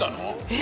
え！